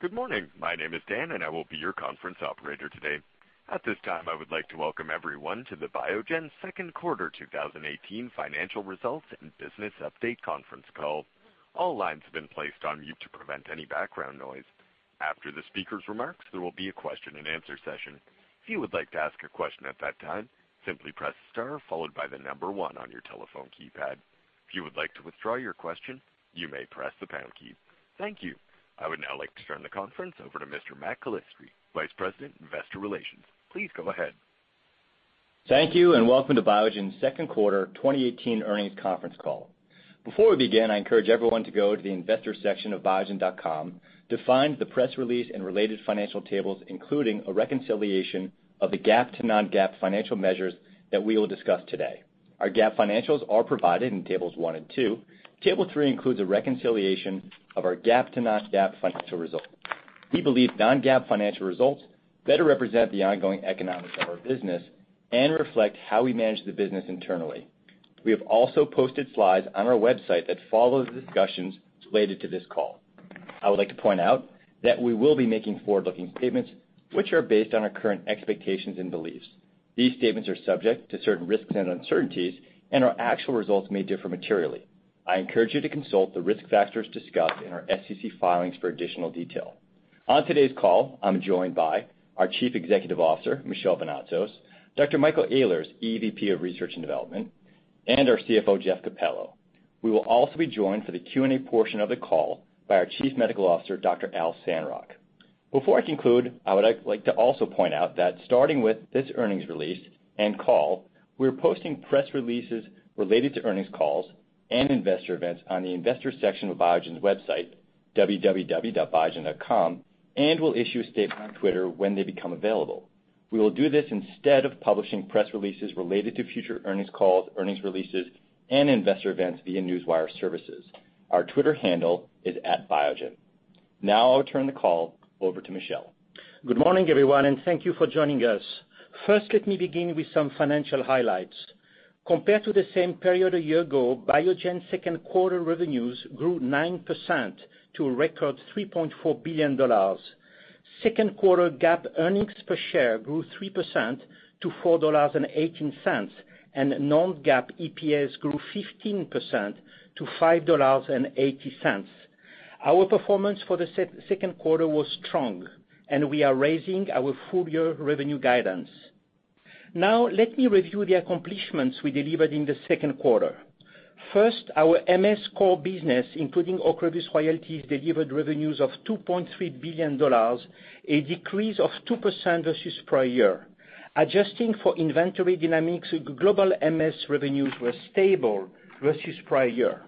Good morning. My name is Dan, I will be your conference operator today. At this time, I would like to welcome everyone to the Biogen second quarter 2018 financial results and business update conference call. All lines have been placed on mute to prevent any background noise. After the speaker's remarks, there will be a question and answer session. If you would like to ask a question at that time, simply press star followed by the number 1 on your telephone keypad. If you would like to withdraw your question, you may press the pound key. Thank you. I would now like to turn the conference over to Mr. Matt Calistri, Vice President, Investor Relations. Please go ahead. Thank you, welcome to Biogen's second quarter 2018 earnings conference call. Before we begin, I encourage everyone to go to the investor section of biogen.com to find the press release and related financial tables, including a reconciliation of the GAAP to non-GAAP financial measures that we will discuss today. Our GAAP financials are provided in tables 1 and 2. Table 3 includes a reconciliation of our GAAP to non-GAAP financial results. We believe non-GAAP financial results better represent the ongoing economics of our business and reflect how we manage the business internally. We have also posted slides on our website that follow the discussions related to this call. I would like to point out that we will be making forward-looking statements which are based on our current expectations and beliefs. These statements are subject to certain risks and uncertainties, our actual results may differ materially. I encourage you to consult the risk factors discussed in our SEC filings for additional detail. On today's call, I'm joined by our Chief Executive Officer, Michel Vounatsos, Dr. Michael Ehlers, EVP of Research and Development, our CFO, Jeffrey Capello. We will also be joined for the Q&A portion of the call by our Chief Medical Officer, Dr. Al Sandrock. Before I conclude, I would like to also point out that starting with this earnings release and call, we're posting press releases related to earnings calls and investor events on the investor section of Biogen's website, www.biogen.com, will issue a statement on X when they become available. We will do this instead of publishing press releases related to future earnings calls, earnings releases, and investor events via Newswire services. Our Twitter handle is @Biogen. I'll turn the call over to Michel. Good morning, everyone, thank you for joining us. First, let me begin with some financial highlights. Compared to the same period a year ago, Biogen's second quarter revenues grew 9% to a record $3.4 billion. Second quarter GAAP earnings per share grew 3% to $4.18, non-GAAP EPS grew 15% to $5.80. Our performance for the second quarter was strong, we are raising our full-year revenue guidance. Let me review the accomplishments we delivered in the second quarter. First, our MS core business, including Ocrevus royalties, delivered revenues of $2.3 billion, a decrease of 2% versus prior year. Adjusting for inventory dynamics, global MS revenues were stable versus prior year.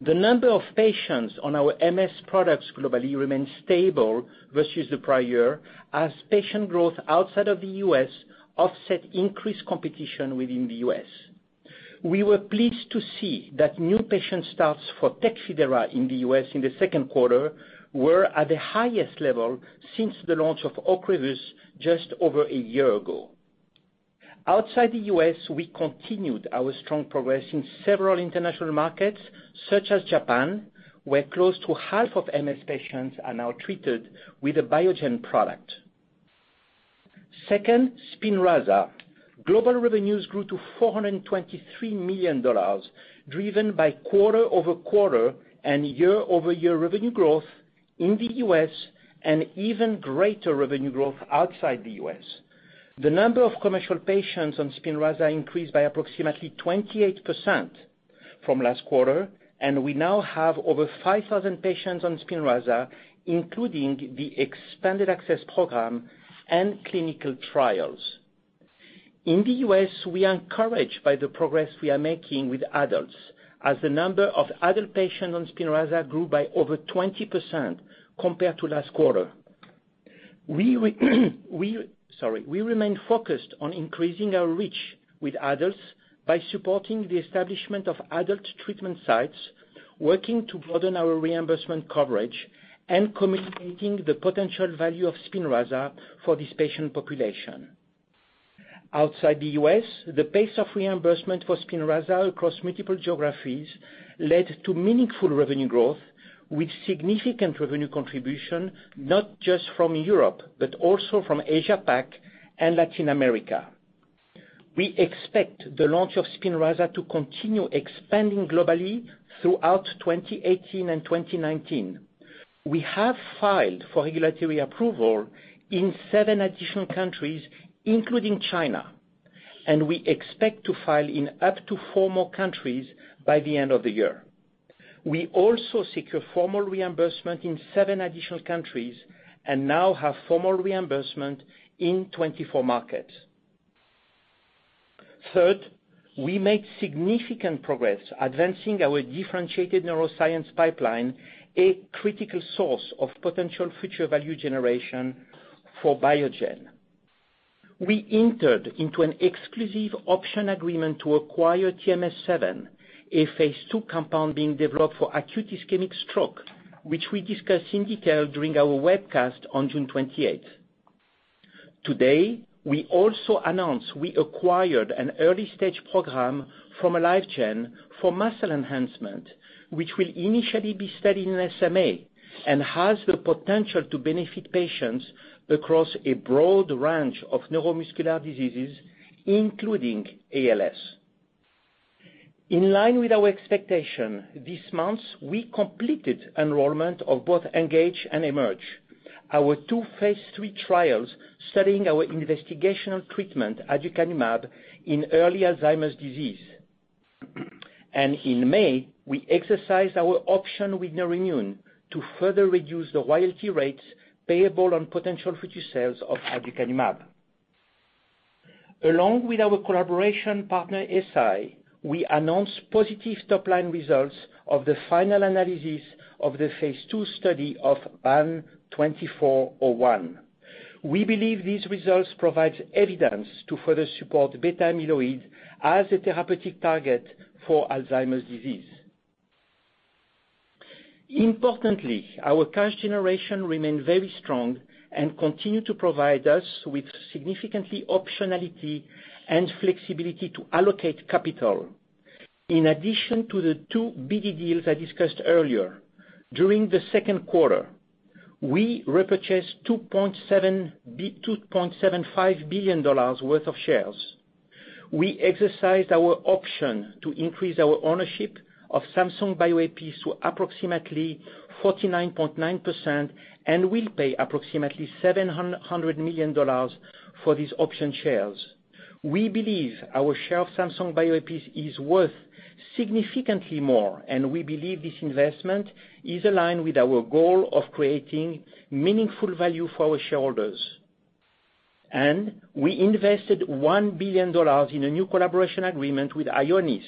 The number of patients on our MS products globally remains stable versus the prior year as patient growth outside of the U.S. offset increased competition within the U.S. We were pleased to see that new patient starts for TECFIDERA in the U.S. in the second quarter were at the highest level since the launch of Ocrevus just over a year ago. Outside the U.S., we continued our strong progress in several international markets, such as Japan, where close to half of MS patients are now treated with a Biogen product. Second, SPINRAZA. Global revenues grew to $423 million, driven by quarter-over-quarter and year-over-year revenue growth in the U.S., and even greater revenue growth outside the U.S. The number of commercial patients on SPINRAZA increased by approximately 28% from last quarter, and we now have over 5,000 patients on SPINRAZA, including the expanded access program and clinical trials. In the U.S., we are encouraged by the progress we are making with adults as the number of adult patients on SPINRAZA grew by over 20% compared to last quarter. We remain focused on increasing our reach with adults by supporting the establishment of adult treatment sites, working to broaden our reimbursement coverage, and communicating the potential value of SPINRAZA for this patient population. Outside the U.S., the pace of reimbursement for SPINRAZA across multiple geographies led to meaningful revenue growth, with significant revenue contribution, not just from Europe, but also from Asia Pac and Latin America. We expect the launch of SPINRAZA to continue expanding globally throughout 2018 and 2019. We have filed for regulatory approval in seven additional countries, including China, and we expect to file in up to four more countries by the end of the year. We also secured formal reimbursement in seven additional countries and now have formal reimbursement in 24 markets. Third, we made significant progress advancing our differentiated neuroscience pipeline, a critical source of potential future value generation for Biogen. We entered into an exclusive option agreement to acquire TMS-007, a phase II compound being developed for acute ischemic stroke, which we discussed in detail during our webcast on June 28th. Today, we also announce we acquired an early-stage program from AliveGen for muscle enhancement, which will initially be studied in SMA and has the potential to benefit patients across a broad range of neuromuscular diseases, including ALS. In line with our expectation, this month, we completed enrollment of both ENGAGE and EMERGE, our two phase III trials studying our investigational treatment, aducanumab, in early Alzheimer's disease. In May, we exercised our option with Neurimmune to further reduce the royalty rates payable on potential future sales of aducanumab. Along with our collaboration partner, Eisai, we announced positive top-line results of the final analysis of the phase II study of BAN2401. We believe these results provide evidence to further support amyloid beta as a therapeutic target for Alzheimer's disease. Importantly, our cash generation remained very strong and continue to provide us with significant optionality and flexibility to allocate capital. In addition to the two BD deals I discussed earlier, during the second quarter, we repurchased $2.75 billion worth of shares. We exercised our option to increase our ownership of Samsung Bioepis to approximately 49.9% and will pay approximately $700 million for these option shares. We believe our share of Samsung Bioepis is worth significantly more, and we believe this investment is aligned with our goal of creating meaningful value for our shareholders. We invested $1 billion in a new collaboration agreement with Ionis,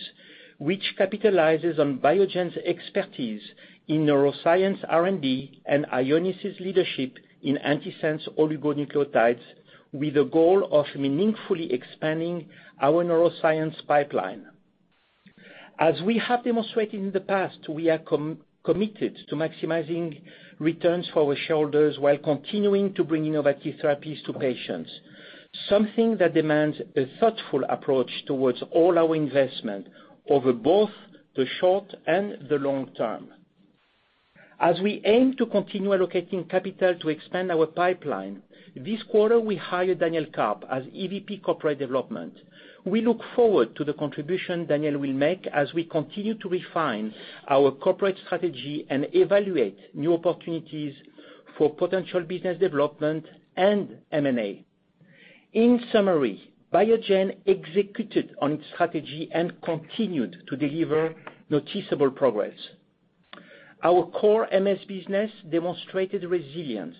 which capitalizes on Biogen's expertise in neuroscience R&D and Ionis's leadership in antisense oligonucleotides with the goal of meaningfully expanding our neuroscience pipeline. As we have demonstrated in the past, we are committed to maximizing returns for our shareholders while continuing to bring innovative therapies to patients. Something that demands a thoughtful approach towards all our investment over both the short and the long term. As we aim to continue allocating capital to expand our pipeline, this quarter, we hired Daniel Karp as EVP, Corporate Development. We look forward to the contribution Daniel will make as we continue to refine our corporate strategy and evaluate new opportunities for potential business development and M&A. In summary, Biogen executed on its strategy and continued to deliver noticeable progress. Our core MS business demonstrated resilience.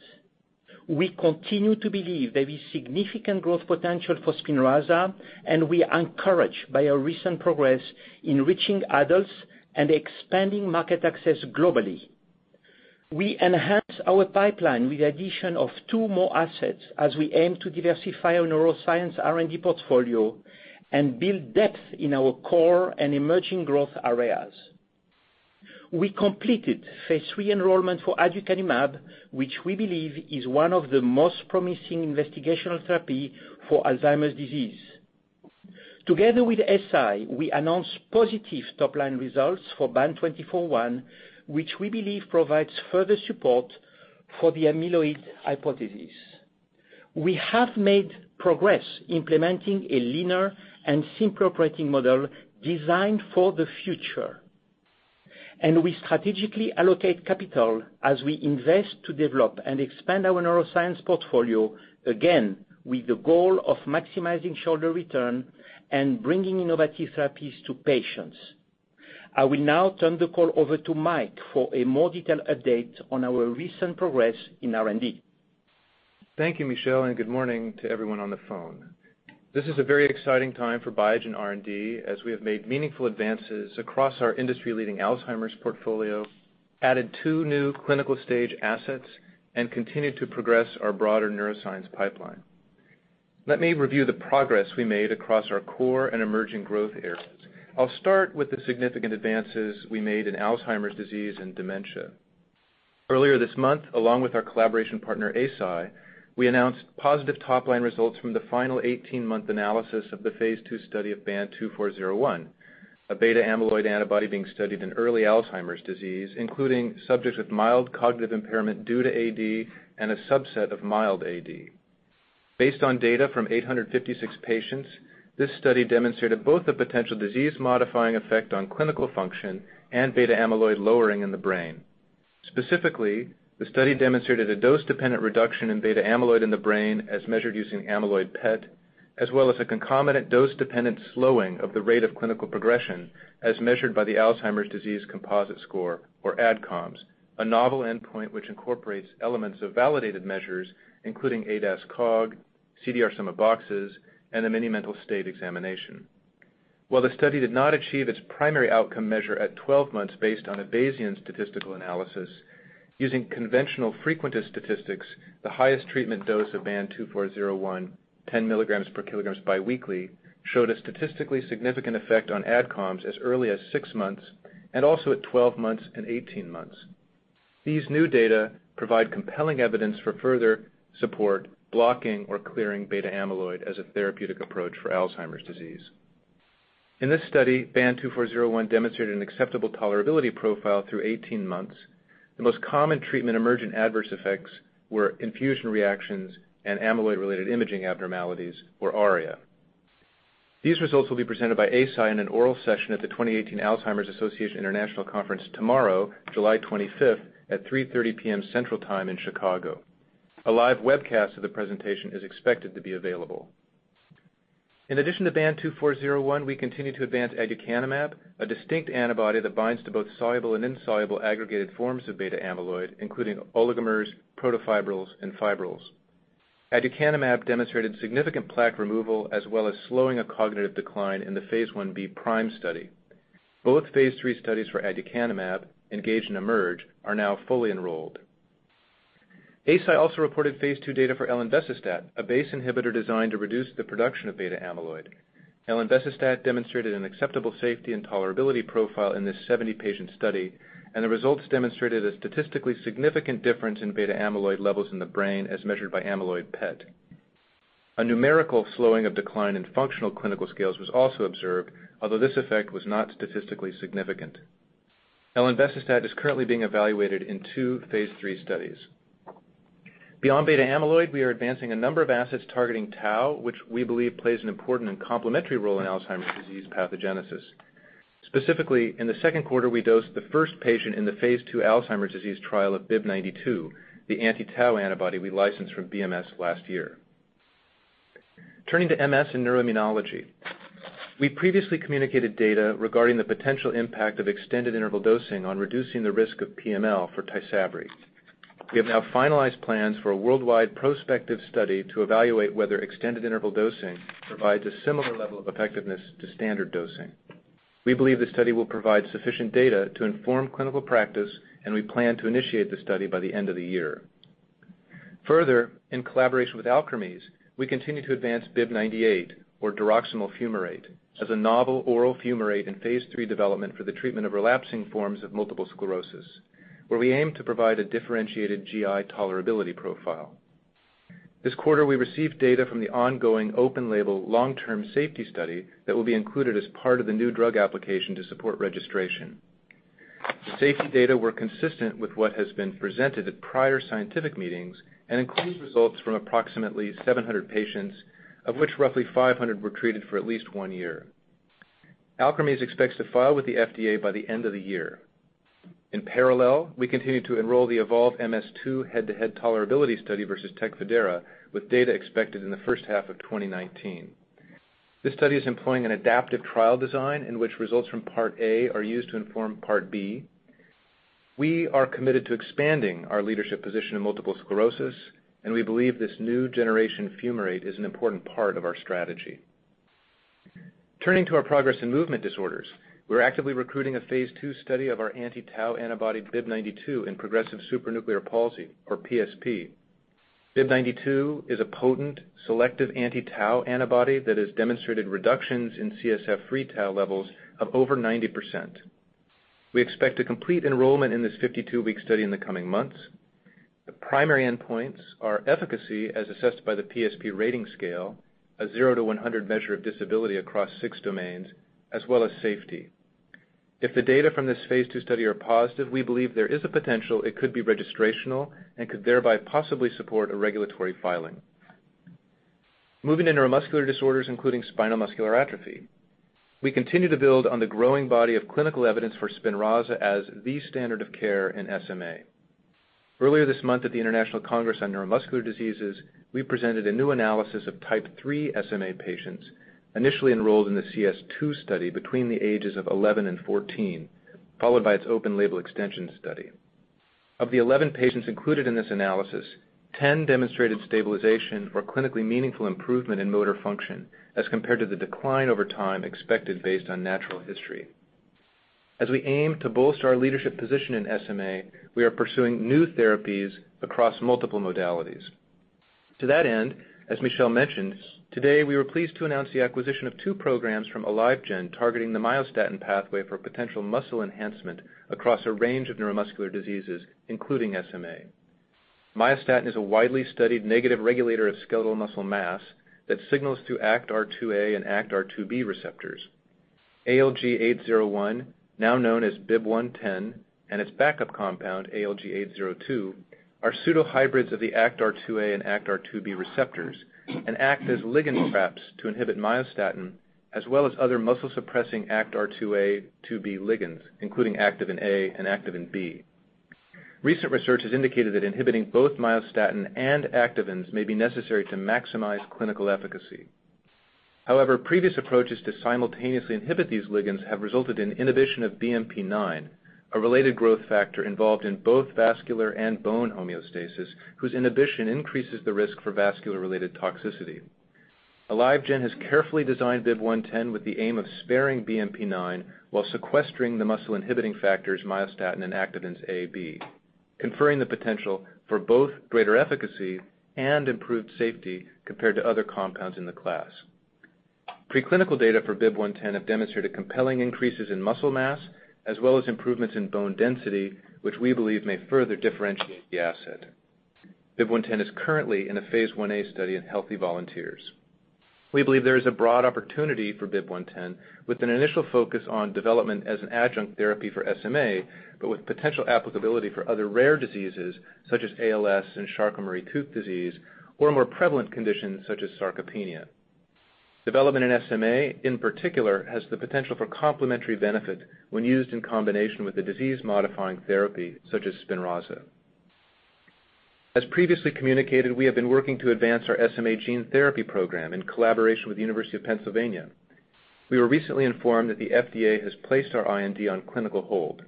We continue to believe there is significant growth potential for SPINRAZA, and we are encouraged by our recent progress in reaching adults and expanding market access globally. We enhanced our pipeline with the addition of two more assets as we aim to diversify our neuroscience R&D portfolio and build depth in our core and emerging growth areas. We completed phase III enrollment for aducanumab, which we believe is one of the most promising investigational therapy for Alzheimer's disease. Together with Eisai, we announced positive top-line results for BAN2401, which we believe provides further support for the amyloid hypothesis. We have made progress implementing a leaner and simpler operating model designed for the future. We strategically allocate capital as we invest to develop and expand our neuroscience portfolio, again, with the goal of maximizing shareholder return and bringing innovative therapies to patients. I will now turn the call over to Mike for a more detailed update on our recent progress in R&D. Thank you, Michel, and good morning to everyone on the phone. This is a very exciting time for Biogen R&D as we have made meaningful advances across our industry-leading Alzheimer's portfolio, added two new clinical-stage assets, and continue to progress our broader neuroscience pipeline. Let me review the progress we made across our core and emerging growth areas. I'll start with the significant advances we made in Alzheimer's disease and dementia. Earlier this month, along with our collaboration partner, Eisai, we announced positive top-line results from the final 18-month analysis of the phase II study of BAN2401, a beta amyloid antibody being studied in early Alzheimer's disease, including subjects with mild cognitive impairment due to AD and a subset of mild AD. Based on data from 856 patients, this study demonstrated both the potential disease-modifying effect on clinical function and beta amyloid lowering in the brain. Specifically, the study demonstrated a dose-dependent reduction in beta amyloid in the brain, as measured using amyloid PET, as well as a concomitant dose-dependent slowing of the rate of clinical progression as measured by the Alzheimer's Disease Composite Score, or ADCOMS, a novel endpoint which incorporates elements of validated measures, including ADAS-Cog, CDR Sum of Boxes, and the Mini-Mental State Examination. While the study did not achieve its primary outcome measure at 12 months based on a Bayesian statistical analysis, using conventional frequentist statistics, the highest treatment dose of BAN2401, 10 milligrams per kilograms biweekly, showed a statistically significant effect on ADCOMS as early as six months and also at 12 months and 18 months. These new data provide compelling evidence for further support blocking or clearing beta amyloid as a therapeutic approach for Alzheimer's disease. In this study, BAN2401 demonstrated an acceptable tolerability profile through 18 months. The most common treatment-emergent adverse effects were infusion reactions and amyloid-related imaging abnormalities, or ARIA. These results will be presented by Eisai in an oral session at the 2018 Alzheimer's Association International Conference tomorrow, July 25th, at 3:30 P.M. Central Time in Chicago. A live webcast of the presentation is expected to be available. In addition to BAN2401, we continue to advance aducanumab, a distinct antibody that binds to both soluble and insoluble aggregated forms of beta amyloid, including oligomers, protofibrils, and fibrils. Aducanumab demonstrated significant plaque removal, as well as slowing of cognitive decline in the phase I-B PRIME study. Both phase III studies for aducanumab, ENGAGE and EMERGE, are now fully enrolled. Eisai also reported phase II data for elenbecestat, a BACE inhibitor designed to reduce the production of beta amyloid. Elenbecestat demonstrated an acceptable safety and tolerability profile in this 70-patient study. The results demonstrated a statistically significant difference in beta amyloid levels in the brain as measured by amyloid PET. A numerical slowing of decline in functional clinical scales was also observed, although this effect was not statistically significant. Elenbecestat is currently being evaluated in two phase III studies. Beyond beta amyloid, we are advancing a number of assets targeting tau, which we believe plays an important and complementary role in Alzheimer's disease pathogenesis. Specifically, in the second quarter, we dosed the first patient in the phase II Alzheimer's disease trial of BIIB092, the anti-tau antibody we licensed from BMS last year. Turning to MS and neuroimmunology. We previously communicated data regarding the potential impact of extended-interval dosing on reducing the risk of PML for TYSABRI. We have now finalized plans for a worldwide prospective study to evaluate whether extended-interval dosing provides a similar level of effectiveness to standard dosing. We believe this study will provide sufficient data to inform clinical practice, and we plan to initiate the study by the end of the year. In collaboration with Alkermes, we continue to advance BIIB098, or diroximel fumarate, as a novel oral fumarate in phase III development for the treatment of relapsing forms of multiple sclerosis, where we aim to provide a differentiated GI tolerability profile. This quarter, we received data from the ongoing open label long-term safety study that will be included as part of the new drug application to support registration. The safety data were consistent with what has been presented at prior scientific meetings and includes results from approximately 700 patients, of which roughly 500 were treated for at least one year. Alkermes expects to file with the FDA by the end of the year. We continue to enroll the EVOLVE-MS-2 head-to-head tolerability study versus TECFIDERA, with data expected in the first half of 2019. This study is employing an adaptive trial design in which results from part A are used to inform part B. We are committed to expanding our leadership position in multiple sclerosis, and we believe this new-generation fumarate is an important part of our strategy. Turning to our progress in movement disorders. We are actively recruiting a phase II study of our anti-tau antibody BIIB092 in Progressive Supranuclear Palsy, or PSP. BIIB092 is a potent selective anti-tau antibody that has demonstrated reductions in CSF free tau levels of over 90%. We expect to complete enrollment in this 52-week study in the coming months. The primary endpoints are efficacy as assessed by the PSP Rating Scale, a 0-100 measure of disability across six domains, as well as safety. If the data from this phase II study are positive, we believe there is a potential it could be registrational and could thereby possibly support a regulatory filing. Moving to neuromuscular disorders, including spinal muscular atrophy. We continue to build on the growing body of clinical evidence for SPINRAZA as the standard of care in SMA. Earlier this month at the International Congress on Neuromuscular Diseases, we presented a new analysis of Type 3 SMA patients initially enrolled in the CS2 study between the ages of 11 and 14, followed by its open label extension study. Of the 11 patients included in this analysis, 10 demonstrated stabilization or clinically meaningful improvement in motor function as compared to the decline over time expected based on natural history. As we aim to bolster our leadership position in SMA, we are pursuing new therapies across multiple modalities. To that end, as Michel mentioned, today we were pleased to announce the acquisition of two programs from AliveGen targeting the myostatin pathway for potential muscle enhancement across a range of neuromuscular diseases, including SMA. Myostatin is a widely studied negative regulator of skeletal muscle mass that signals to ActRIIA and ActRIIB receptors. ALG-801, now known as BIIB110, and its backup compound, ALG-802, are pseudo-hybrids of the ActRIIA and ActRIIB receptors and act as ligand traps to inhibit myostatin as well as other muscle-suppressing ActRIIA/IIB ligands, including activin A and activin B. Recent research has indicated that inhibiting both myostatin and activins may be necessary to maximize clinical efficacy. However, previous approaches to simultaneously inhibit these ligands have resulted in inhibition of BMP9, a related growth factor involved in both vascular and bone homeostasis, whose inhibition increases the risk for vascular-related toxicity. AliveGen has carefully designed BIIB110 with the aim of sparing BMP9 while sequestering the muscle-inhibiting factors myostatin and activins A/B, conferring the potential for both greater efficacy and improved safety compared to other compounds in the class. Preclinical data for BIIB110 have demonstrated compelling increases in muscle mass, as well as improvements in bone density, which we believe may further differentiate the asset. BIIB110 is currently in a phase I-A study in healthy volunteers. We believe there is a broad opportunity for BIIB110 with an initial focus on development as an adjunct therapy for SMA, but with potential applicability for other rare diseases such as ALS and Charcot-Marie-Tooth disease, or more prevalent conditions such as sarcopenia. Development in SMA, in particular, has the potential for complementary benefit when used in combination with a disease-modifying therapy such as SPINRAZA. As previously communicated, we have been working to advance our SMA gene therapy program in collaboration with the University of Pennsylvania. We were recently informed that the FDA has placed our IND on clinical hold.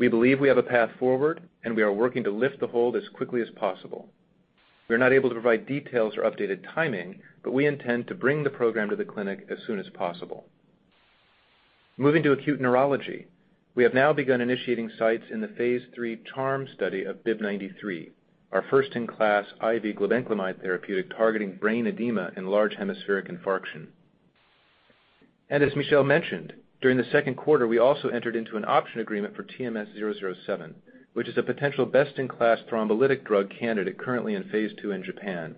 We believe we have a path forward, and we are working to lift the hold as quickly as possible. We are not able to provide details or updated timing, but we intend to bring the program to the clinic as soon as possible. Moving to acute neurology. We have now begun initiating sites in the phase III CHARM study of BIIB093, our first-in-class IV glibenclamide therapeutic targeting brain edema and large hemispheric infarction. As Michel mentioned, during the second quarter, we also entered into an option agreement for TMS-007, which is a potential best-in-class thrombolytic drug candidate currently in phase II in Japan.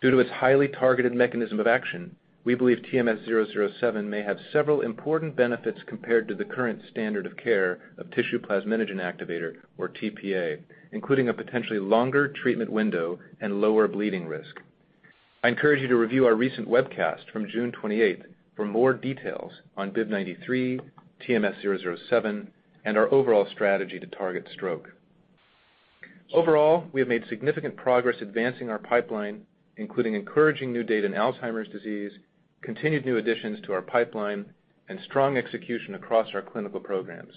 Due to its highly targeted mechanism of action, we believe TMS-007 may have several important benefits compared to the current standard of care of tissue plasminogen activator, or tPA, including a potentially longer treatment window and lower bleeding risk. I encourage you to review our recent webcast from June 28th for more details on BIIB093, TMS-007, and our overall strategy to target stroke. Overall, we have made significant progress advancing our pipeline, including encouraging new data in Alzheimer's disease, continued new additions to our pipeline, and strong execution across our clinical programs.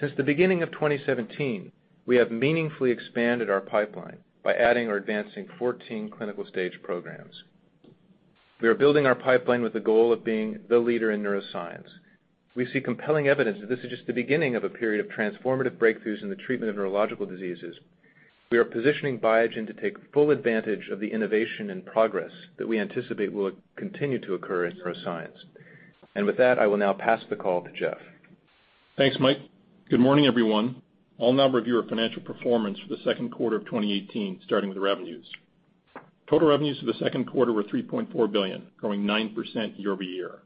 Since the beginning of 2017, we have meaningfully expanded our pipeline by adding or advancing 14 clinical stage programs. We are building our pipeline with the goal of being the leader in neuroscience. We see compelling evidence that this is just the beginning of a period of transformative breakthroughs in the treatment of neurological diseases. We are positioning Biogen to take full advantage of the innovation and progress that we anticipate will continue to occur in neuroscience. With that, I will now pass the call to Jeff. Thanks, Mike. Good morning, everyone. I will now review our financial performance for the second quarter of 2018, starting with revenues. Total revenues for the second quarter were $3.4 billion, growing 9% year-over-year.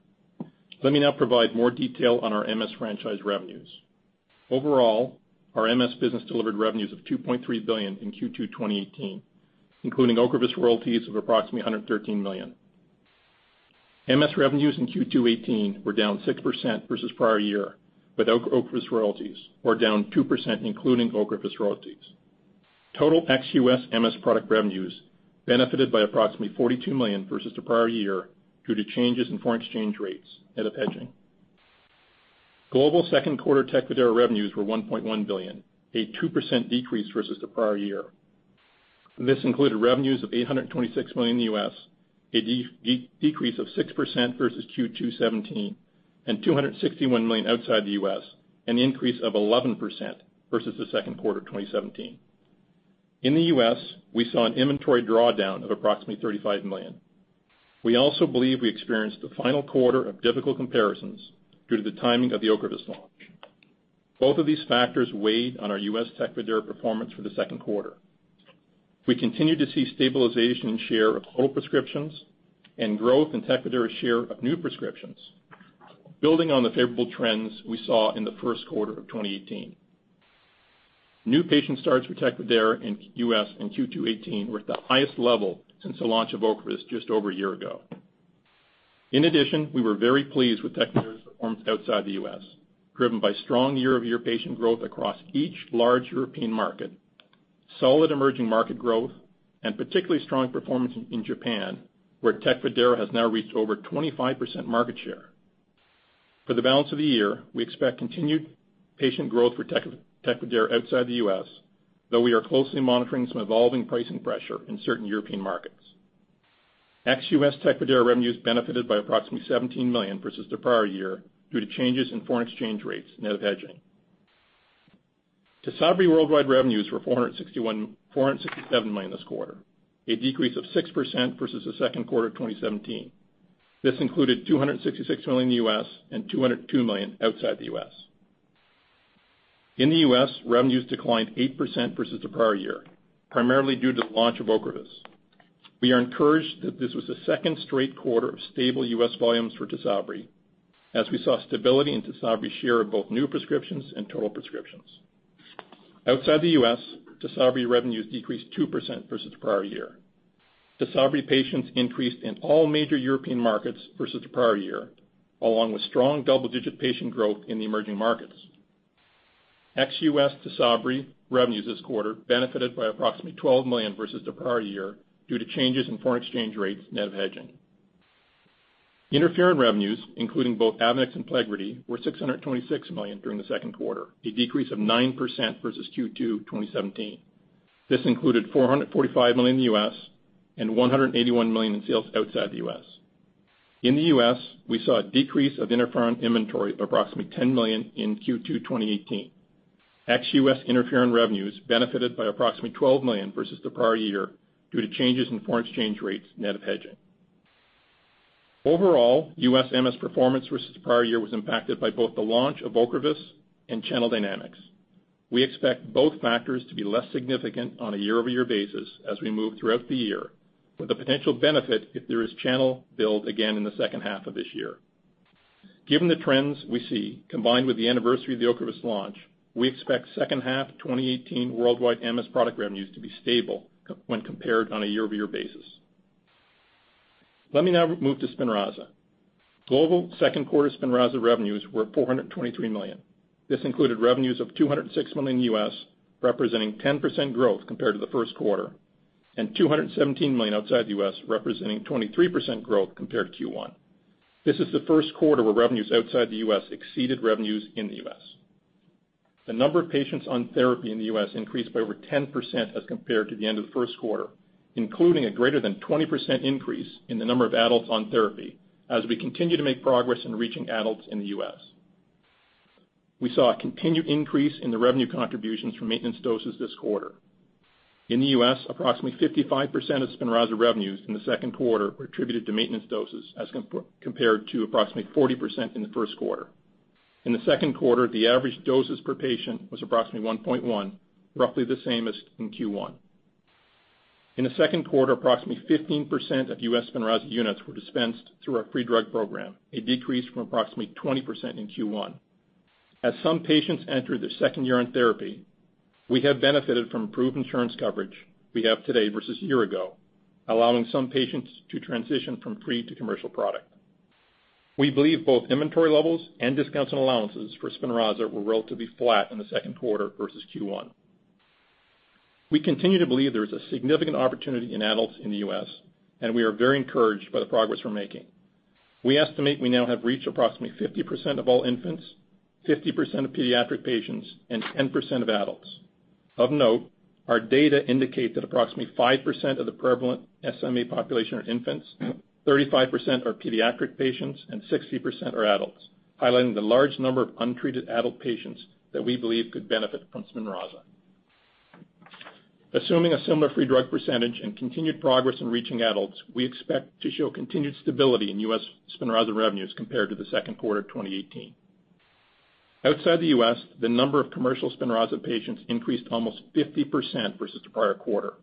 Let me now provide more detail on our MS franchise revenues. Overall, our MS business delivered revenues of $2.3 billion in Q2 2018, including Ocrevus royalties of approximately $113 million. MS revenues in Q2 '18 were down 6% versus prior year without Ocrevus royalties or down 2% including Ocrevus royalties. Total ex-U.S. MS product revenues benefited by approximately $42 million versus the prior year due to changes in foreign exchange rates net of hedging. Global second quarter Tecfidera revenues were $1.1 billion, a 2% decrease versus the prior year. This included revenues of $826 million in the U.S., a decrease of 6% versus Q2 '17, and $261 million outside the U.S., an increase of 11% versus the second quarter 2017. In the U.S., we saw an inventory drawdown of approximately $35 million. We also believe we experienced the final quarter of difficult comparisons due to the timing of the Ocrevus launch. Both of these factors weighed on our U.S. Tecfidera performance for the second quarter. We continue to see stabilization in share of total prescriptions and growth in Tecfidera share of new prescriptions, building on the favorable trends we saw in the first quarter of 2018. New patient starts for Tecfidera in U.S. in Q2 '18 were at the highest level since the launch of Ocrevus just over a year ago. In addition, we were very pleased with TECFIDERA's performance outside the U.S., driven by strong year-over-year patient growth across each large European market, solid emerging market growth, and particularly strong performance in Japan, where TECFIDERA has now reached over 25% market share. For the balance of the year, we expect continued patient growth for TECFIDERA outside the U.S., though we are closely monitoring some evolving pricing pressure in certain European markets. Ex-U.S. TECFIDERA revenues benefited by approximately $17 million versus the prior year due to changes in foreign exchange rates net of hedging. TYSABRI worldwide revenues were $467 million this quarter, a decrease of 6% versus the second quarter of 2017. This included $266 million in the U.S. and $202 million outside the U.S. In the U.S., revenues declined 8% versus the prior year, primarily due to the launch of Ocrevus. We are encouraged that this was the second straight quarter of stable U.S. volumes for TYSABRI as we saw stability in TYSABRI share of both new prescriptions and total prescriptions. Outside the U.S., TYSABRI revenues decreased 2% versus the prior year. TYSABRI patients increased in all major European markets versus the prior year, along with strong double-digit patient growth in the emerging markets. Ex-U.S. TYSABRI revenues this quarter benefited by approximately $12 million versus the prior year due to changes in foreign exchange rates net of hedging. interferon revenues, including both AVONEX and PLEGRIDY, were $626 million during the second quarter, a decrease of 9% versus Q2 2017. This included $445 million in the U.S. and $181 million in sales outside the U.S. In the U.S., we saw a decrease of interferon inventory of approximately $10 million in Q2 2018. Ex-U.S. interferon revenues benefited by approximately $12 million versus the prior year due to changes in foreign exchange rates net of hedging. Overall, U.S. MS performance versus the prior year was impacted by both the launch of Ocrevus and channel dynamics. We expect both factors to be less significant on a year-over-year basis as we move throughout the year, with a potential benefit if there is channel build again in the second half of this year. Given the trends we see, combined with the anniversary of the Ocrevus launch, we expect second half 2018 worldwide MS product revenues to be stable when compared on a year-over-year basis. Let me now move to SPINRAZA. Global second quarter SPINRAZA revenues were $423 million. This included revenues of $206 million in the U.S., representing 10% growth compared to the first quarter, and $217 million outside the U.S., representing 23% growth compared to Q1. This is the first quarter where revenues outside the U.S. exceeded revenues in the U.S. The number of patients on therapy in the U.S. increased by over 10% as compared to the end of the first quarter, including a greater than 20% increase in the number of adults on therapy, as we continue to make progress in reaching adults in the U.S. We saw a continued increase in the revenue contributions for maintenance doses this quarter. In the U.S., approximately 55% of SPINRAZA revenues in the second quarter were attributed to maintenance doses as compared to approximately 40% in the first quarter. In the second quarter, the average doses per patient was approximately 1.1, roughly the same as in Q1. In the second quarter, approximately 15% of U.S. SPINRAZA units were dispensed through our free drug program, a decrease from approximately 20% in Q1. As some patients enter their second year on therapy, we have benefited from improved insurance coverage we have today versus a year ago, allowing some patients to transition from free to commercial product. We believe both inventory levels and discounts and allowances for SPINRAZA were relatively flat in the second quarter versus Q1. We continue to believe there is a significant opportunity in adults in the U.S., and we are very encouraged by the progress we're making. We estimate we now have reached approximately 50% of all infants, 50% of pediatric patients, and 10% of adults. Of note, our data indicate that approximately 5% of the prevalent SMA population are infants, 35% are pediatric patients, and 60% are adults, highlighting the large number of untreated adult patients that we believe could benefit from SPINRAZA. Assuming a similar free drug percentage and continued progress in reaching adults, we expect to show continued stability in U.S. SPINRAZA revenues compared to the second quarter of 2018. Outside the U.S., the number of commercial SPINRAZA patients increased almost 50% versus the prior quarter,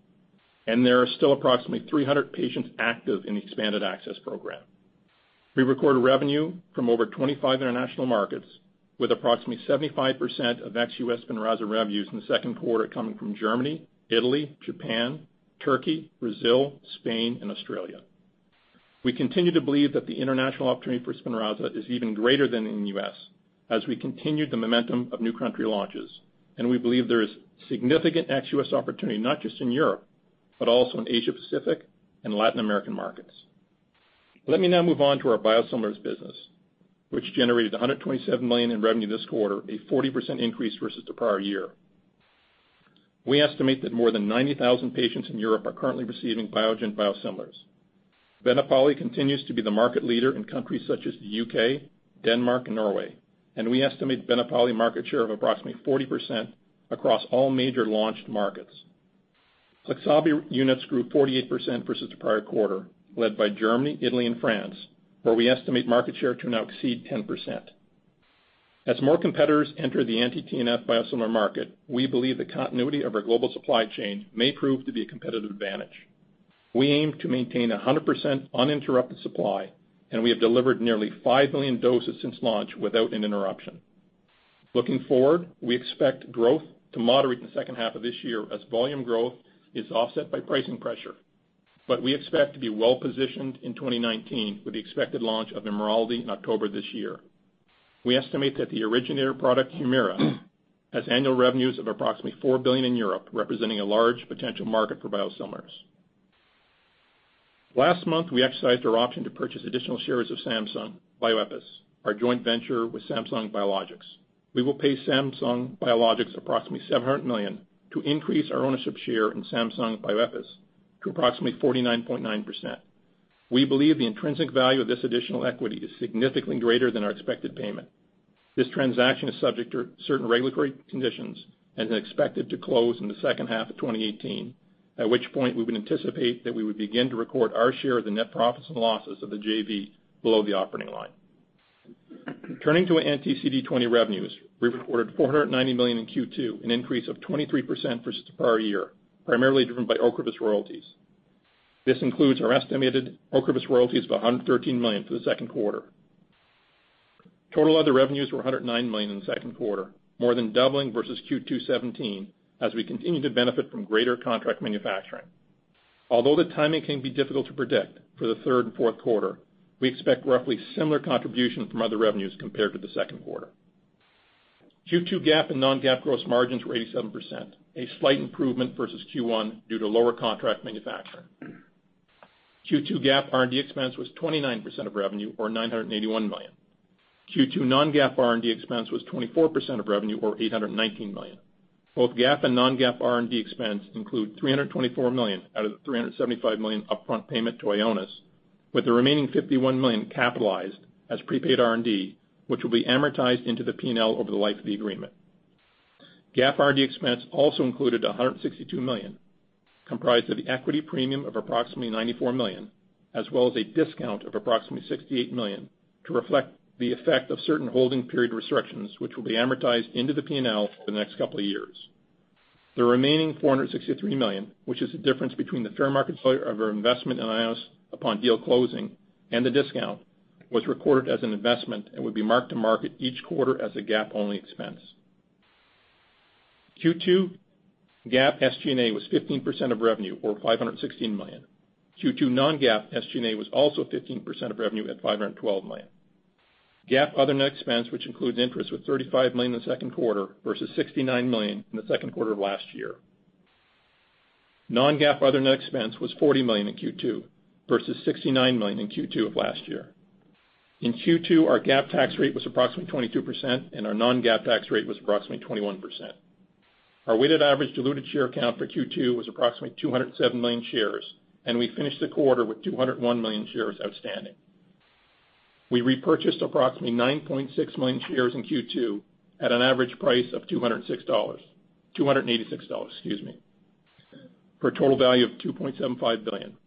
and there are still approximately 300 patients active in the expanded access program. We recorded revenue from over 25 international markets with approximately 75% of ex-U.S. SPINRAZA revenues in the second quarter coming from Germany, Italy, Japan, Turkey, Brazil, Spain, and Australia. We continue to believe that the international opportunity for SPINRAZA is even greater than in the U.S. as we continue the momentum of new country launches, and we believe there is significant ex-U.S. opportunity, not just in Europe, but also in Asia Pacific and Latin American markets. Let me now move on to our biosimilars business, which generated $127 million in revenue this quarter, a 40% increase versus the prior year. We estimate that more than 90,000 patients in Europe are currently receiving Biogen biosimilars. BENEPALI continues to be the market leader in countries such as the U.K., Denmark, and Norway, and we estimate BENEPALI market share of approximately 40% across all major launched markets. Flixabi units grew 48% versus the prior quarter, led by Germany, Italy, and France, where we estimate market share to now exceed 10%. As more competitors enter the anti-TNF biosimilar market, we believe the continuity of our global supply chain may prove to be a competitive advantage. We aim to maintain 100% uninterrupted supply, and we have delivered nearly 5 million doses since launch without an interruption. We expect growth to moderate in the second half of this year as volume growth is offset by pricing pressure. We expect to be well-positioned in 2019 with the expected launch of Imraldi in October this year. We estimate that the originator product, HUMIRA, has annual revenues of approximately $4 billion in Europe, representing a large potential market for biosimilars. Last month, we exercised our option to purchase additional shares of Samsung Bioepis, our joint venture with Samsung Biologics. We will pay Samsung Biologics approximately $700 million to increase our ownership share in Samsung Bioepis to approximately 49.9%. We believe the intrinsic value of this additional equity is significantly greater than our expected payment. This transaction is subject to certain regulatory conditions and is expected to close in the second half of 2018, at which point we would anticipate that we would begin to record our share of the net profits and losses of the JV below the operating line. Turning to our anti-CD20 revenues, we reported $490 million in Q2, an increase of 23% versus the prior year, primarily driven by Ocrevus royalties. This includes our estimated Ocrevus royalties of $113 million for the second quarter. Total other revenues were $109 million in the second quarter, more than doubling versus Q2 2017 as we continue to benefit from greater contract manufacturing. Although the timing can be difficult to predict for the third and fourth quarter, we expect roughly similar contribution from other revenues compared to the second quarter. Q2 GAAP and non-GAAP gross margins were 87%, a slight improvement versus Q1 due to lower contract manufacturing. Q2 GAAP R&D expense was 29% of revenue or $981 million. Q2 non-GAAP R&D expense was 24% of revenue or $819 million. Both GAAP and non-GAAP R&D expense include $324 million out of the $375 million upfront payment to Ionis, with the remaining $51 million capitalized as prepaid R&D, which will be amortized into the P&L over the life of the agreement. GAAP R&D expense also included $162 million, comprised of the equity premium of approximately $94 million, as well as a discount of approximately $68 million to reflect the effect of certain holding period restrictions, which will be amortized into the P&L for the next couple of years. The remaining $463 million, which is the difference between the fair market value of our investment in Ionis upon deal closing and the discount, was recorded as an investment and will be marked to market each quarter as a GAAP-only expense. Q2 GAAP SG&A was 15% of revenue, or $516 million. Q2 non-GAAP SG&A was also 15% of revenue at $512 million. GAAP other net expense, which includes interest, was $35 million in the second quarter versus $69 million in the second quarter of last year. Non-GAAP other net expense was $40 million in Q2 versus $69 million in Q2 of last year. In Q2, our GAAP tax rate was approximately 22%, and our non-GAAP tax rate was approximately 21%. Our weighted average diluted share count for Q2 was approximately 207 million shares, and we finished the quarter with 201 million shares outstanding. We repurchased approximately 9.6 million shares in Q2 at an average price of $286. For a total value of $2.75 billion,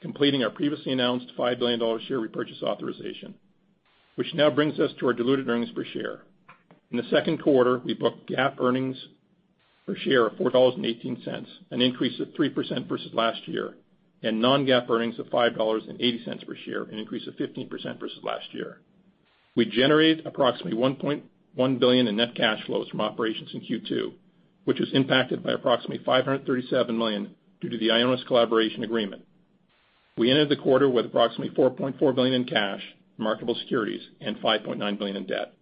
completing our previously announced $5 billion share repurchase authorization, which now brings us to our diluted earnings per share. In the second quarter, we booked GAAP earnings per share of $4.18, an increase of 3% versus last year, and non-GAAP earnings of $5.80 per share, an increase of 15% versus last year. We generated approximately $1.1 billion in net cash flows from operations in Q2, which was impacted by approximately $537 million due to the Ionis collaboration agreement. We ended the quarter with approximately $4.4 billion in cash, marketable securities, and $5.9 billion in debt.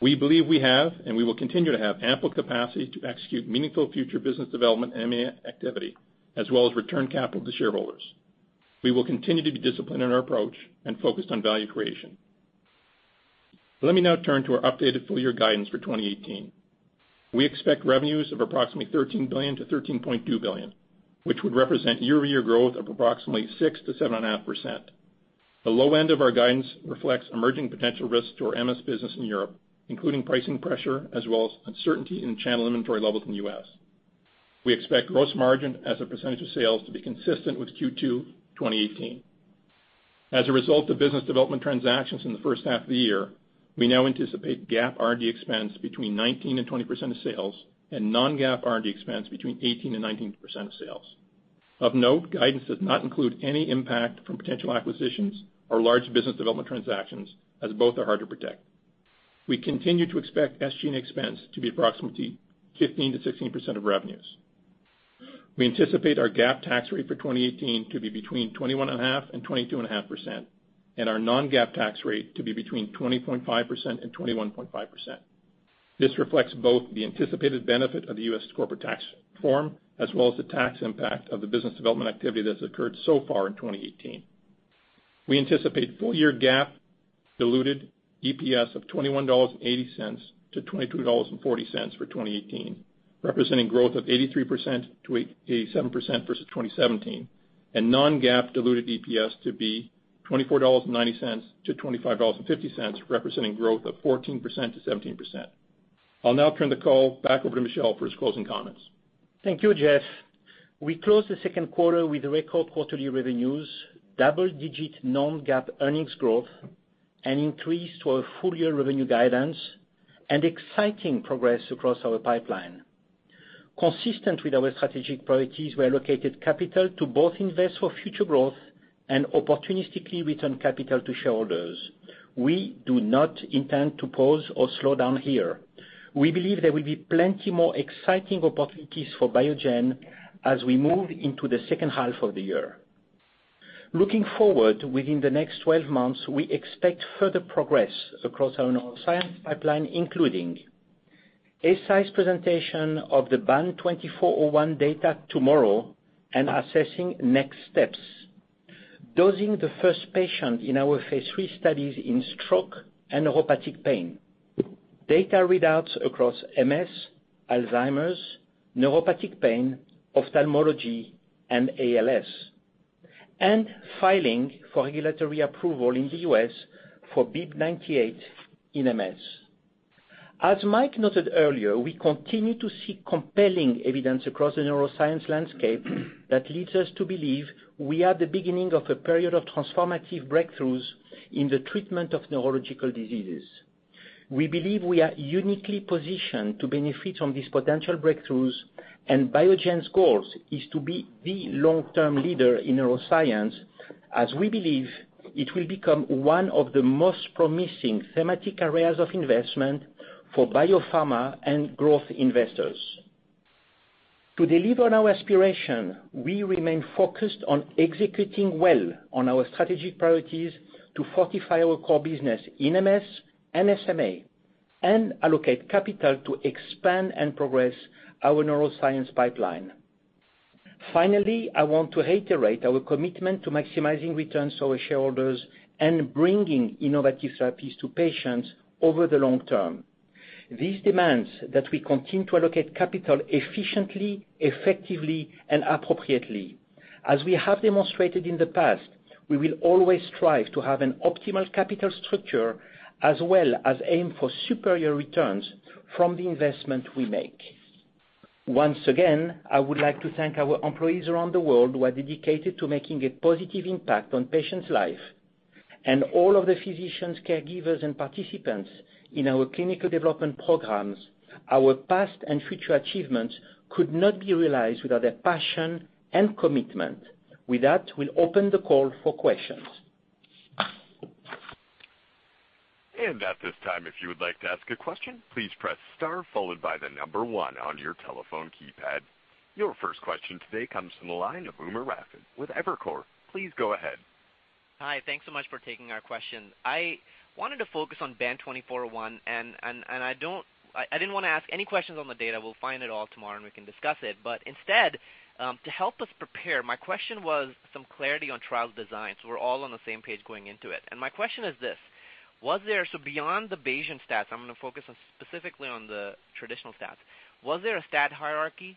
We believe we have, and we will continue to have ample capacity to execute meaningful future business development M&A activity, as well as return capital to shareholders. We will continue to be disciplined in our approach and focused on value creation. Let me now turn to our updated full-year guidance for 2018. We expect revenues of approximately $13 billion-$13.2 billion, which would represent year-over-year growth of approximately 6%-7.5%. The low end of our guidance reflects emerging potential risks to our MS business in Europe, including pricing pressure as well as uncertainty in channel inventory levels in the U.S. We expect gross margin as a percentage of sales to be consistent with Q2 2018. As a result of business development transactions in the first half of the year, we now anticipate GAAP R&D expense between 19% and 20% of sales and non-GAAP R&D expense between 18% and 19% of sales. Of note, guidance does not include any impact from potential acquisitions or large business development transactions, as both are hard to predict. We continue to expect SG&A expense to be approximately 15%-16% of revenues. We anticipate our GAAP tax rate for 2018 to be between 21.5%-22.5%, and our non-GAAP tax rate to be between 20.5%-21.5%. This reflects both the anticipated benefit of the U.S. corporate tax reform as well as the tax impact of the business development activity that's occurred so far in 2018. We anticipate full-year GAAP diluted EPS of $21.80-$22.40 for 2018, representing growth of 83%-87% versus 2017, and non-GAAP diluted EPS to be $24.90-$25.50, representing growth of 14%-17%. I'll now turn the call back over to Michel for his closing comments. Thank you, Jeff. We closed the second quarter with record quarterly revenues, double-digit non-GAAP earnings growth, an increase to our full-year revenue guidance, and exciting progress across our pipeline. Consistent with our strategic priorities, we allocated capital to both invest for future growth and opportunistically return capital to shareholders. We do not intend to pause or slow down here. We believe there will be plenty more exciting opportunities for Biogen as we move into the second half of the year. Looking forward, within the next 12 months, we expect further progress across our neuroscience pipeline, including Eisai's presentation of the BAN2401 data tomorrow and assessing next steps. Dosing the first patient in our phase III studies in stroke and neuropathic pain. Data readouts across MS, Alzheimer's, neuropathic pain, ophthalmology, and ALS. Filing for regulatory approval in the U.S. for BIIB098 in MS. As Michael noted earlier, we continue to see compelling evidence across the neuroscience landscape that leads us to believe we are at the beginning of a period of transformative breakthroughs in the treatment of neurological diseases. We believe we are uniquely positioned to benefit from these potential breakthroughs, and Biogen's goal is to be the long-term leader in neuroscience, as we believe it will become one of the most promising thematic areas of investment for biopharma and growth investors. To deliver on our aspiration, we remain focused on executing well on our strategic priorities to fortify our core business in MS and SMA and allocate capital to expand and progress our neuroscience pipeline. Finally, I want to reiterate our commitment to maximizing returns to our shareholders and bringing innovative therapies to patients over the long term. This demands that we continue to allocate capital efficiently, effectively, and appropriately. As we have demonstrated in the past, we will always strive to have an optimal capital structure as well as aim for superior returns from the investment we make. Once again, I would like to thank our employees around the world who are dedicated to making a positive impact on patients' life, and all of the physicians, caregivers, and participants in our clinical development programs. Our past and future achievements could not be realized without their passion and commitment. With that, we'll open the call for questions. And at this time, if you would like to ask a question, please press star followed by the number 1 on your telephone keypad. Your first question today comes from the line of Umer Raffat with Evercore. Please go ahead. Hi. Thanks so much for taking our question. I wanted to focus on BAN2401, and I didn't want to ask any questions on the data. We'll find it all tomorrow, and we can discuss it. But instead, to help us prepare, my question was some clarity on trial design so we're all on the same page going into it. My question is this: So beyond the Bayesian stats, I'm going to focus on specifically on the traditional stats. Was there a stat hierarchy?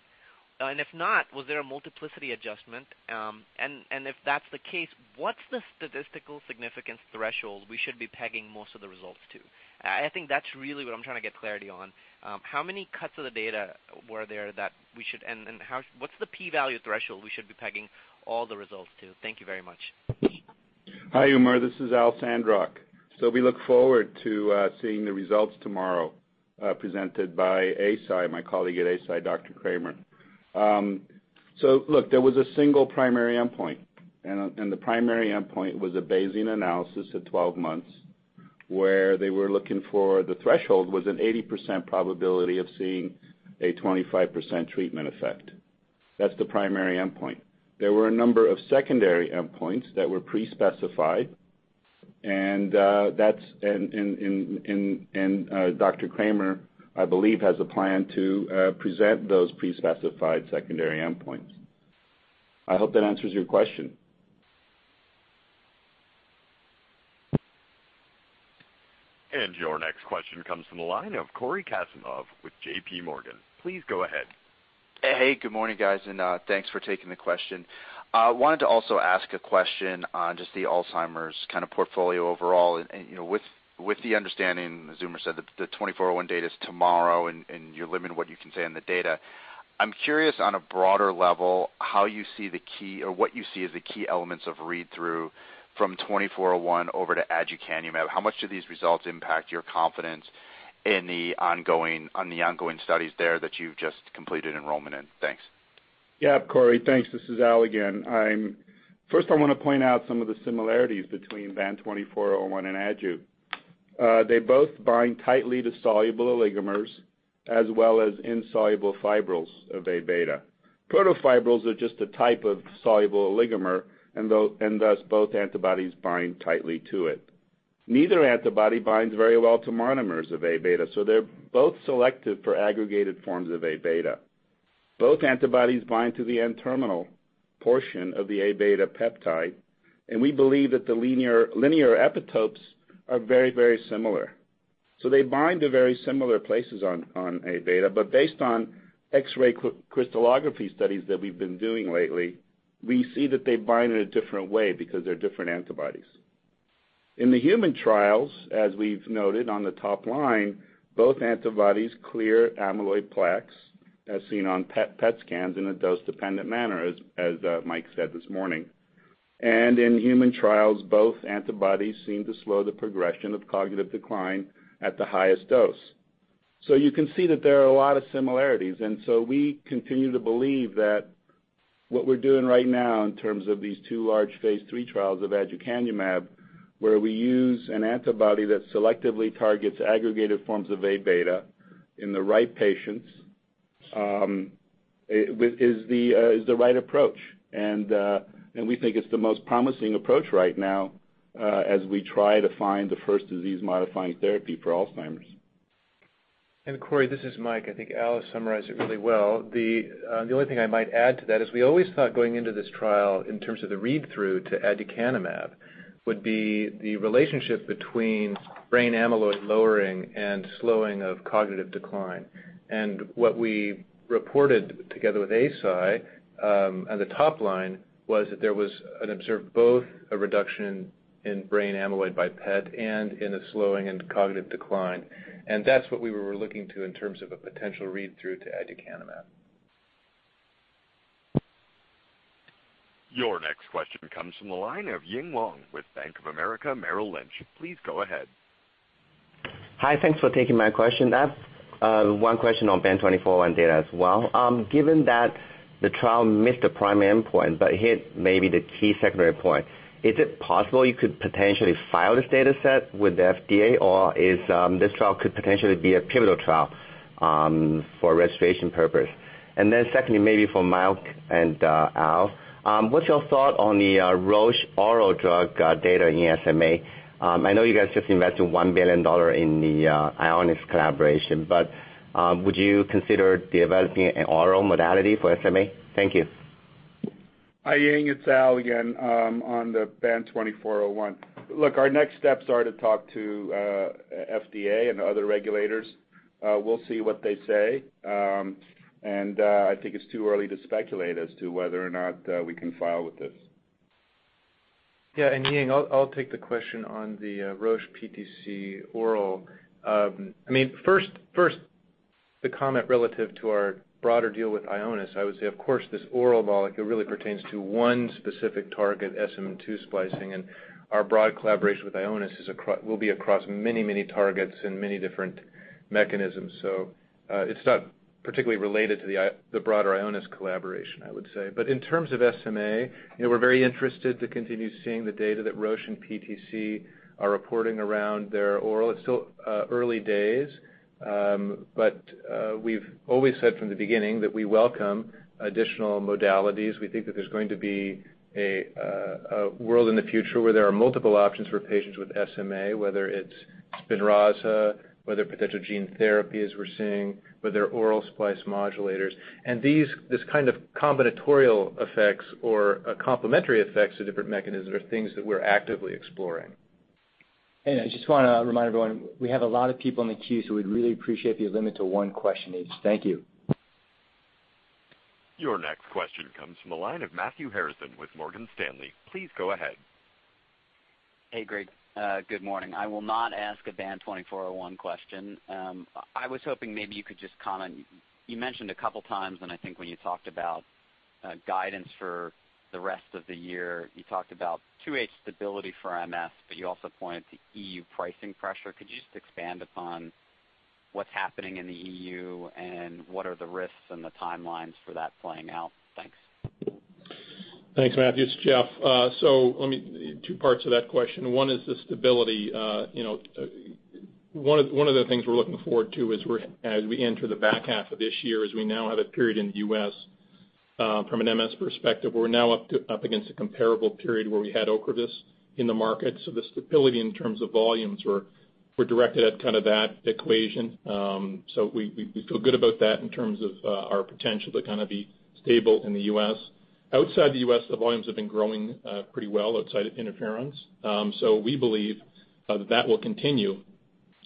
If not, was there a multiplicity adjustment? If that's the case, what's the statistical significance threshold we should be pegging most of the results to? I think that's really what I'm trying to get clarity on. How many cuts of the data were there, and what's the P-value threshold we should be pegging all the results to? Thank you very much. Hi, Umer. This is Al Sandrock. Look, we look forward to seeing the results tomorrow presented by Eisai, my colleague at Eisai, Dr. Kramer. There was a single primary endpoint, and the primary endpoint was a Bayesian analysis at 12 months, where they were looking for the threshold was an 80% probability of seeing a 25% treatment effect. That's the primary endpoint. There were a number of secondary endpoints that were pre-specified, and Dr. Kramer, I believe, has a plan to present those pre-specified secondary endpoints. I hope that answers your question. Your next question comes from the line of Cory Kasimov with J.P. Morgan. Please go ahead. Hey, good morning, guys, thanks for taking the question. I wanted to also ask a question on just the Alzheimer's kind of portfolio overall. With the understanding, as Umer said, that the 2401 data's tomorrow and you're limited in what you can say on the data, I'm curious on a broader level, what you see as the key elements of read-through from 2401 over to aducanumab. How much do these results impact your confidence on the ongoing studies there that you've just completed enrollment in? Thanks. Yeah, Cory. Thanks. This is Al again. First, I want to point out some of the similarities between BAN2401 and Adu. They both bind tightly to soluble oligomers as well as insoluble fibrils of A-beta. Protofibrils are just a type of soluble oligomer, and thus both antibodies bind tightly to it. Neither antibody binds very well to monomers of A-beta, so they're both selected for aggregated forms of A-beta. Both antibodies bind to the N-terminal portion of the A-beta peptide, and we believe that the linear epitopes are very similar. They bind to very similar places on A-beta. But based on X-ray crystallography studies that we've been doing lately, we see that they bind in a different way because they're different antibodies. In the human trials, as we've noted on the top line, both antibodies clear amyloid plaques as seen on PET scans in a dose-dependent manner, as Mike said this morning. In human trials, both antibodies seem to slow the progression of cognitive decline at the highest dose. You can see that there are a lot of similarities, we continue to believe that what we're doing right now in terms of these two large phase III trials of aducanumab, where we use an antibody that selectively targets aggregated forms of A-beta in the right patients, is the right approach. We think it's the most promising approach right now as we try to find the first disease-modifying therapy for Alzheimer's. Cory, this is Mike. I think Al summarized it really well. The only thing I might add to that is we always thought going into this trial in terms of the read-through to aducanumab would be the relationship between brain amyloid lowering and slowing of cognitive decline. What we reported together with ACEI on the top line was that there was an observed both a reduction in brain amyloid by PET and in a slowing in cognitive decline. That's what we were looking to in terms of a potential read-through to aducanumab. Your next question comes from the line of Ying Huang with Bank of America Merrill Lynch. Please go ahead. Hi. Thanks for taking my question. I have one question on BAN2401 data as well. Given that the trial missed the primary endpoint but hit maybe the key secondary point, is it possible you could potentially file this data set with the FDA, or this trial could potentially be a pivotal trial for registration purpose? Secondly, maybe for Mike and Al, what's your thought on the Roche oral drug data in SMA? I know you guys just invested $1 billion in the Ionis collaboration, but would you consider developing an oral modality for SMA? Thank you. Hi Ying, it's Al again on the BAN2401. Look, our next steps are to talk to FDA and other regulators. We'll see what they say. I think it's too early to speculate as to whether or not we can file with this. Yeah, Ying, I'll take the question on the Roche PTC oral. First, the comment relative to our broader deal with Ionis. I would say, of course, this oral molecule really pertains to one specific target, SMN2 splicing, our broad collaboration with Ionis will be across many targets and many different mechanisms. It's not particularly related to the broader Ionis collaboration, I would say. In terms of SMA, we're very interested to continue seeing the data that Roche and PTC are reporting around their oral. It's still early days. We've always said from the beginning that we welcome additional modalities. We think that there's going to be a world in the future where there are multiple options for patients with SMA, whether it's SPINRAZA, whether potential gene therapy as we're seeing, whether oral splice modulators. This kind of combinatorial effects or complementary effects to different mechanisms are things that we're actively exploring. I just want to remind everyone, we have a lot of people in the queue, we'd really appreciate if you limit to one question each. Thank you. Your next question comes from the line of Matthew Harrison with Morgan Stanley. Please go ahead. Hey, great. Good morning. I will not ask a BAN2401 question. I was hoping maybe you could just comment. You mentioned a couple of times, I think when you talked about guidance for the rest of the year, you talked about 2H stability for MS, you also pointed to EU pricing pressure. Could you just expand upon what's happening in the EU, and what are the risks and the timelines for that playing out? Thanks. Thanks, Matthew. It's Jeff. Let me two parts of that question. One is the stability. One of the things we're looking forward to as we enter the back half of this year is we now have a period in the U.S. from an MS perspective, where we're now up against a comparable period where we had Ocrevus in the market. The stability in terms of volumes were directed at that equation. We feel good about that in terms of our potential to be stable in the U.S. Outside the U.S., the volumes have been growing pretty well outside interferons. We believe that will continue.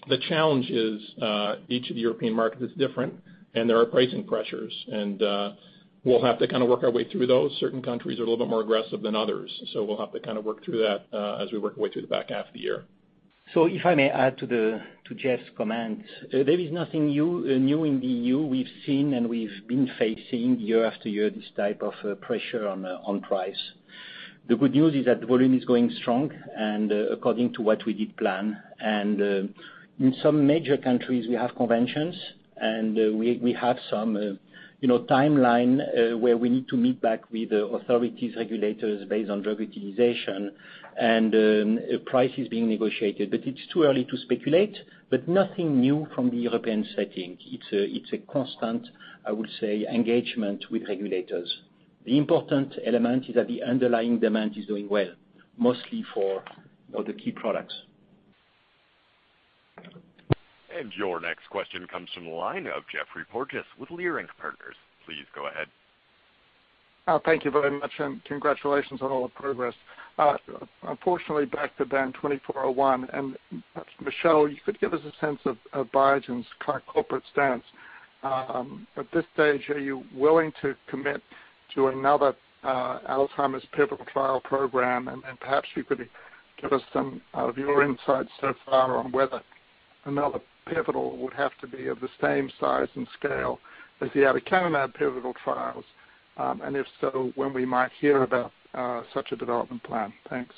The challenge is each of the European markets is different, and there are pricing pressures. We'll have to work our way through those. Certain countries are a little bit more aggressive than others, we'll have to work through that as we work our way through the back half of the year. If I may add to Jeff's comment, there is nothing new in the EU. We've seen and we've been facing year after year this type of pressure on price. The good news is that the volume is going strong and according to what we did plan. In some major countries, we have conventions, and we have some timeline where we need to meet back with authorities, regulators based on drug utilization, and price is being negotiated. It's too early to speculate, but nothing new from the European setting. It's a constant, I would say, engagement with regulators. The important element is that the underlying demand is doing well, mostly for the key products. Your next question comes from the line of Geoffrey Porges with Leerink Partners. Please go ahead. Thank you very much, and congratulations on all the progress. Unfortunately, back to BAN2401, perhaps Michel, you could give us a sense of Biogen's corporate stance. At this stage, are you willing to commit to another Alzheimer's pivotal trial program? Perhaps you could give us some of your insights so far on whether another pivotal would have to be of the same size and scale as the aducanumab pivotal trials. If so, when we might hear about such a development plan. Thanks.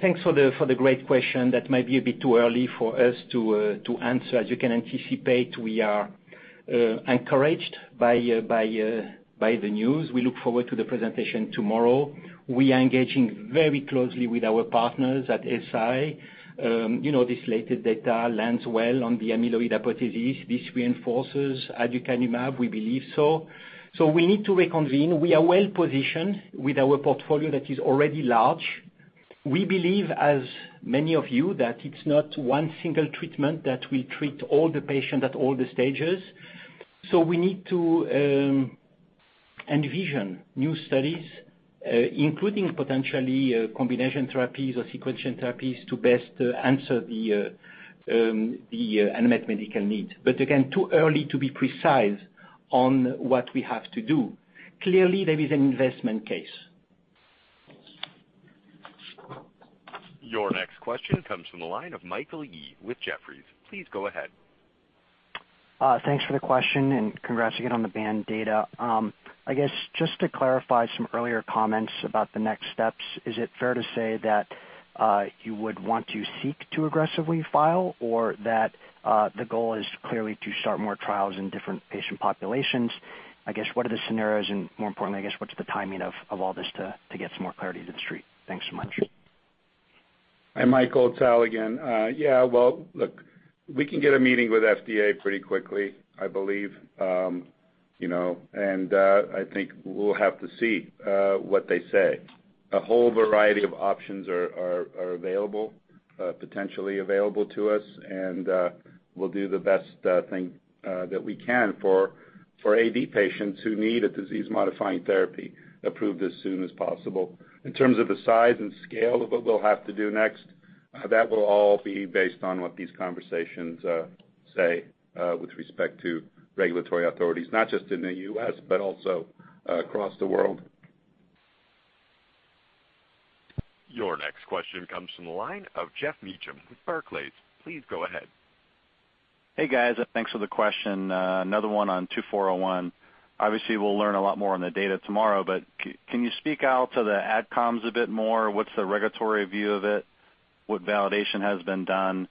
Thanks for the great question. That might be a bit too early for us to answer. As you can anticipate, we are encouraged by the news. We look forward to the presentation tomorrow. We are engaging very closely with our partners at Eisai. This latest data lands well on the amyloid hypothesis. This reinforces aducanumab. We believe so. We need to reconvene. We are well positioned with our portfolio that is already large. We believe, as many of you, that it's not one single treatment that will treat all the patients at all the stages. We need to envision new studies, including potentially combination therapies or sequencing therapies to best answer the unmet medical need. Again, too early to be precise on what we have to do. Clearly, there is an investment case. Your next question comes from the line of Michael Yee with Jefferies. Please go ahead. Thanks for the question. Congrats again on the BAN data. I guess just to clarify some earlier comments about the next steps, is it fair to say that you would want to seek to aggressively file, or that the goal is clearly to start more trials in different patient populations? I guess what are the scenarios. More importantly, I guess, what's the timing of all this to get some more clarity to the street? Thanks so much. Hi, Michael. It's Al again. Well, look, we can get a meeting with FDA pretty quickly, I believe. I think we'll have to see what they say. A whole variety of options are potentially available to us. We'll do the best thing that we can for AD patients who need a disease-modifying therapy approved as soon as possible. In terms of the size and scale of what we'll have to do next, that will all be based on what these conversations say with respect to regulatory authorities, not just in the U.S., but also across the world. Your next question comes from the line of Geoff Meacham with Barclays. Please go ahead. Hey, guys. Thanks for the question. Another one on 2401. Obviously, we'll learn a lot more on the data tomorrow, can you speak out to the ADCOMS a bit more? What's the regulatory view of it? What validation has been done?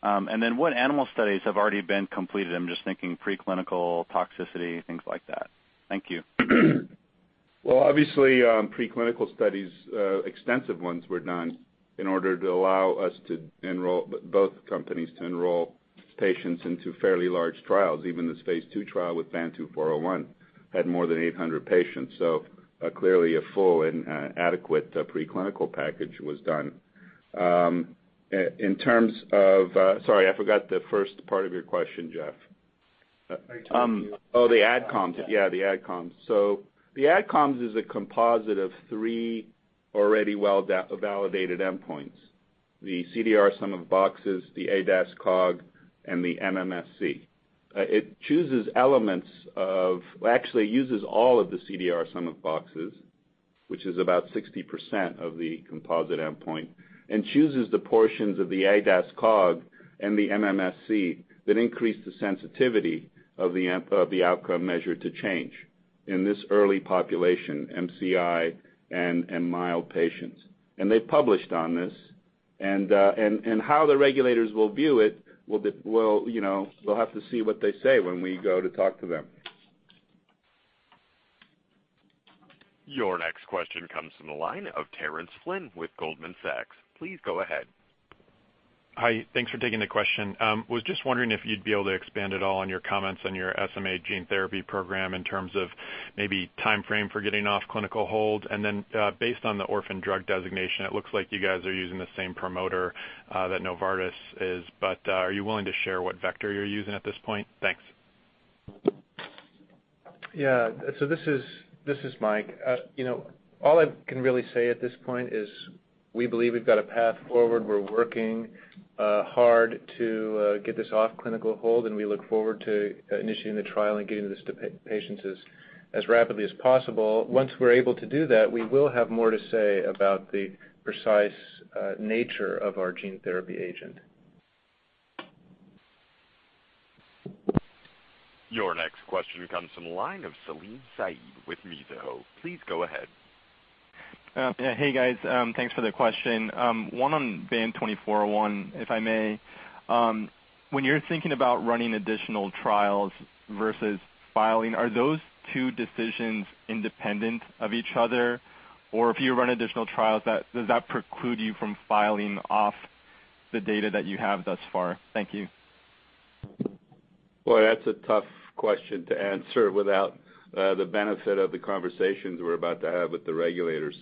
What animal studies have already been completed? I'm just thinking preclinical toxicity, things like that. Thank you. Well, obviously, preclinical studies, extensive ones were done in order to allow both companies to enroll patients into fairly large trials. Even this phase II trial with BAN2401 had more than 800 patients. Clearly, a full and adequate preclinical package was done. Sorry, I forgot the first part of your question, Jeff. AdCom. Yeah, the ADCOMS. The ADCOMS is a composite of three already well-validated endpoints. The CDR Sum of Boxes, the ADAS-Cog, and the MMSE. It well, actually uses all of the CDR Sum of Boxes, which is about 60% of the composite endpoint, and chooses the portions of the ADAS-Cog and the MMSE that increase the sensitivity of the outcome measure to change in this early population, MCI and mild patients. They've published on this. How the regulators will view it, we'll have to see what they say when we go to talk to them. Your next question comes from the line of Terence Flynn with Goldman Sachs. Please go ahead. Hi. Thanks for taking the question. Was just wondering if you'd be able to expand at all on your comments on your SMA gene therapy program in terms of maybe timeframe for getting off clinical hold. Based on the orphan drug designation, it looks like you guys are using the same promoter that Novartis is. Are you willing to share what vector you're using at this point? Thanks. Yeah. This is Mike. All I can really say at this point is we believe we've got a path forward. We're working hard to get this off clinical hold, and we look forward to initiating the trial and getting this to patients as rapidly as possible. Once we're able to do that, we will have more to say about the precise nature of our gene therapy agent. Your next question comes from the line of Salim Syed with Mizuho. Please go ahead. Hey, guys. Thanks for the question. One on BAN2401, if I may. When you're thinking about running additional trials versus filing, are those two decisions independent of each other? If you run additional trials, does that preclude you from filing off the data that you have thus far? Thank you. Boy, that's a tough question to answer without the benefit of the conversations we're about to have with the regulators,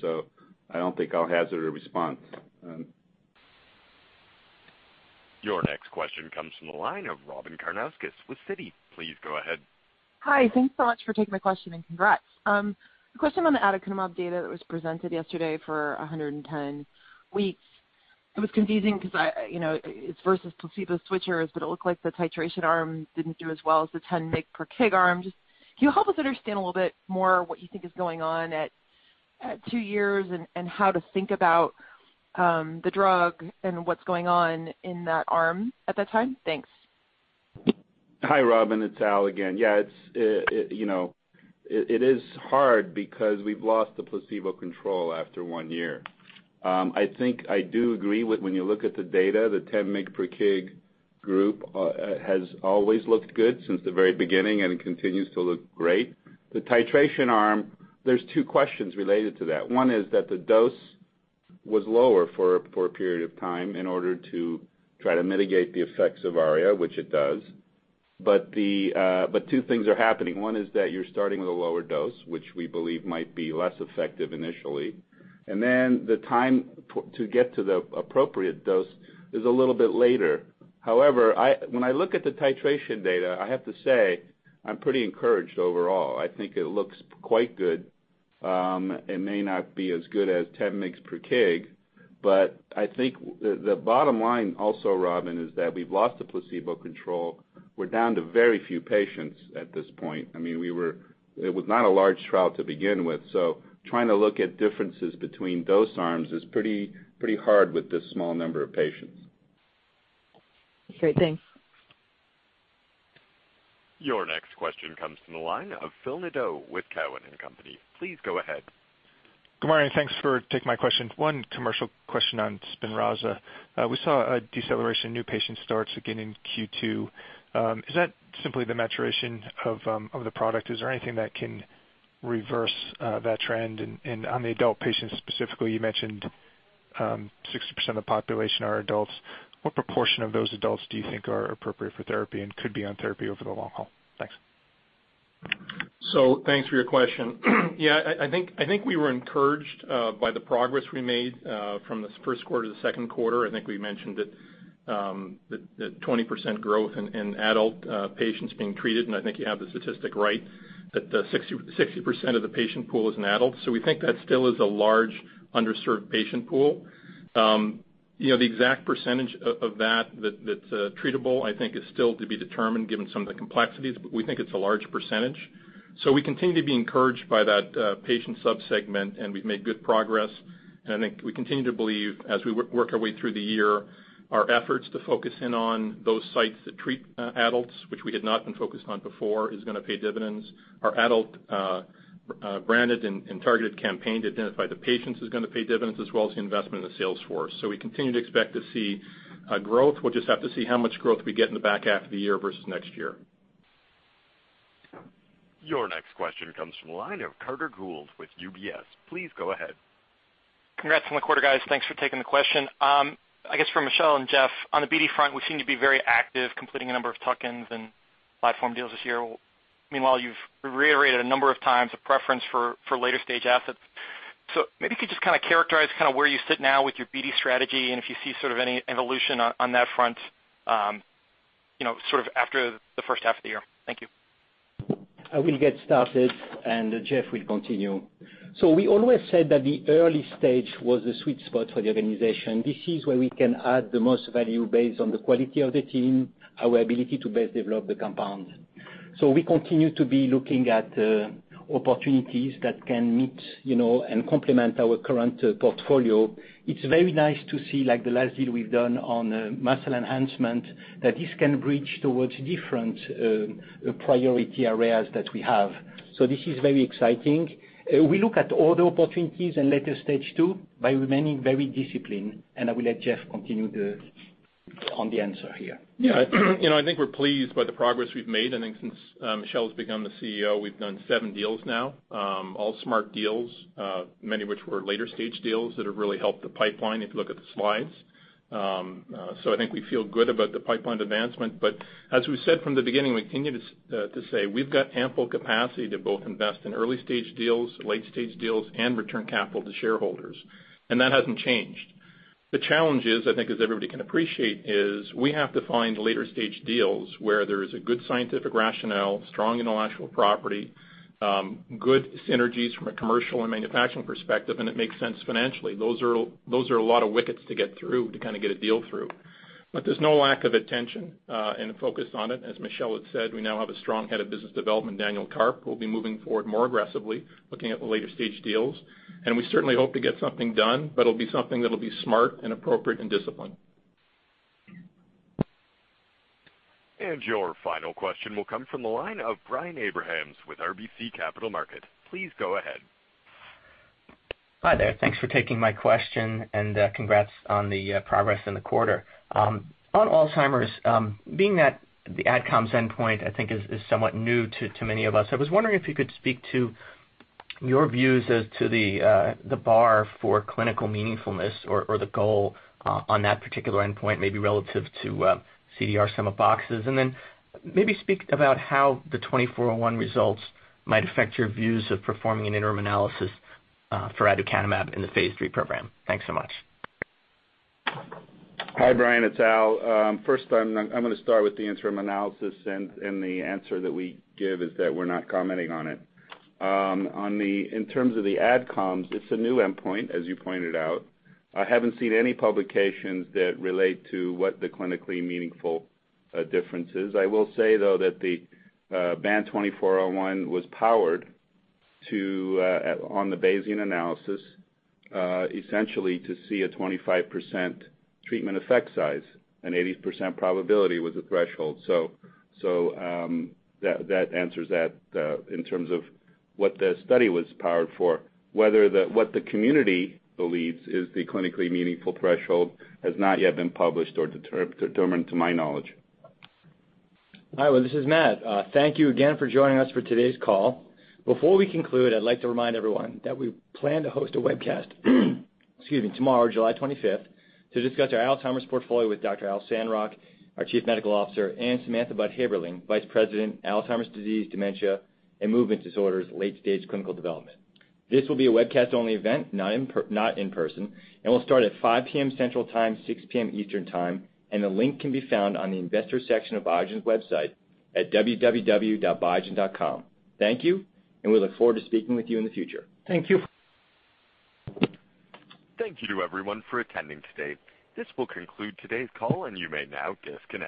I don't think I'll hazard a response. Your next question comes from the line of Robyn Karnauskas with Citi. Please go ahead. Hi. Thanks so much for taking my question, and congrats. A question on the aducanumab data that was presented yesterday for 110 weeks. It was confusing because it's versus placebo switchers, but it looked like the titration arm didn't do as well as the 10 mg per kg arm. Can you help us understand a little bit more what you think is going on at two years, and how to think about the drug, and what's going on in that arm at that time? Thanks. Hi, Robyn. It's Al again. Yeah, it is hard because we've lost the placebo control after one year. I think I do agree with when you look at the data, the 10 mg per kg group has always looked good since the very beginning and continues to look great. The titration arm, there's two questions related to that. One is that the dose was lower for a period of time in order to try to mitigate the effects of ARIA, which it does. Two things are happening. One is that you're starting with a lower dose, which we believe might be less effective initially. The time to get to the appropriate dose is a little bit later. When I look at the titration data, I have to say I'm pretty encouraged overall. I think it looks quite good. It may not be as good as 10 mgs per kg, but I think the bottom line also, Robyn, is that we've lost the placebo control. We're down to very few patients at this point. It was not a large trial to begin with. Trying to look at differences between dose arms is pretty hard with this small number of patients. Great. Thanks. Your next question comes from the line of Phil Nadeau with Cowen and Company. Please go ahead. Good morning. Thanks for taking my question. One commercial question on SPINRAZA. We saw a deceleration in new patient starts again in Q2. Is that simply the maturation of the product? Is there anything that can reverse that trend? On the adult patients specifically, you mentioned 60% of the population are adults. What proportion of those adults do you think are appropriate for therapy and could be on therapy over the long haul? Thanks. Thanks for your question. I think we were encouraged by the progress we made from the first quarter to the second quarter. We mentioned it that 20% growth in adult patients being treated, and I think you have the statistic, right? The 60% of the patient pool is in adult. We think that still is a large underserved patient pool. The exact percentage of that's treatable, I think is still to be determined given some of the complexities, but we think it's a large percentage. We continue to be encouraged by that patient subsegment, and we've made good progress. We continue to believe as we work our way through the year, our efforts to focus in on those sites that treat adults, which we had not been focused on before, is going to pay dividends. Our adult branded and targeted campaign to identify the patients is going to pay dividends, as well as the investment in the sales force. We continue to expect to see growth. We'll just have to see how much growth we get in the back half of the year versus next year. Your next question comes from the line of Carter Gould with UBS. Please go ahead. Congrats on the quarter, guys. Thanks for taking the question. For Michel and Jeff, on the BD front, we seem to be very active completing a number of tuck-ins and platform deals this year. Meanwhile, you've reiterated a number of times a preference for later-stage assets. Maybe you could just characterize where you sit now with your BD strategy and if you see sort of any evolution on that front, sort of after the first half of the year. Thank you. I will get started and Jeff will continue. We always said that the early stage was the sweet spot for the organization. This is where we can add the most value based on the quality of the team, our ability to best develop the compound. We continue to be looking at opportunities that can meet and complement our current portfolio. It's very nice to see, like the last deal we've done on muscle enhancement, that this can bridge towards different priority areas that we have. This is very exciting. We look at all the opportunities in later stage 2, by remaining very disciplined, and I will let Jeff continue on the answer here. Yeah. I think we're pleased by the progress we've made. I think since Michel has become the CEO, we've done 7 deals now. All smart deals, many which were later-stage deals that have really helped the pipeline if you look at the slides. I think we feel good about the pipeline advancement, but as we said from the beginning, we continue to say we've got ample capacity to both invest in early-stage deals, late-stage deals, and return capital to shareholders. That hasn't changed. The challenge is, I think as everybody can appreciate is, we have to find later-stage deals where there is a good scientific rationale, strong intellectual property, good synergies from a commercial and manufacturing perspective, and it makes sense financially. Those are a lot of wickets to get through to kind of get a deal through. There's no lack of attention and focus on it. As Michel had said, we now have a strong head of business development, Daniel Karp. We'll be moving forward more aggressively, looking at the later-stage deals. We certainly hope to get something done, but it'll be something that'll be smart and appropriate and disciplined. Your final question will come from the line of Brian Abrahams with RBC Capital Markets. Please go ahead. Hi there. Thanks for taking my question and congrats on the progress in the quarter. On Alzheimer's, being that the ADCOMS endpoint I think is somewhat new to many of us. I was wondering if you could speak to your views as to the bar for clinical meaningfulness or the goal on that particular endpoint, maybe relative to CDR sum of boxes, and then maybe speak about how the 2401 results might affect your views of performing an interim analysis for aducanumab in the phase III program. Thanks so much. Hi, Brian, it's Al. First, I'm going to start with the interim analysis. The answer that we give is that we're not commenting on it. In terms of the ADCOMS, it's a new endpoint, as you pointed out. I haven't seen any publications that relate to what the clinically meaningful difference is. I will say, though, that the BAN 2401 was powered on the Bayesian analysis, essentially to see a 25% treatment effect size, an 80% probability with the threshold. That answers that in terms of what the study was powered for. What the community believes is the clinically meaningful threshold has not yet been published or determined to my knowledge. Hi, this is Matt. Thank you again for joining us for today's call. Before we conclude, I'd like to remind everyone that we plan to host a webcast tomorrow, July 25th, to discuss our Alzheimer's portfolio with Dr. Al Sandrock, our Chief Medical Officer, and Samantha Budd Haeberlein, Vice President, Alzheimer's Disease, Dementia, and Movement Disorders late-stage clinical development. This will be a webcast-only event, not in person, and will start at 5:00 P.M. Central Time, 6:00 P.M. Eastern Time. The link can be found on the investor section of Biogen's website at www.biogen.com. Thank you. We look forward to speaking with you in the future. Thank you. Thank you to everyone for attending today. This will conclude today's call, and you may now disconnect.